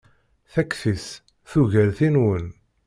Takti-s tugar tin-nwen.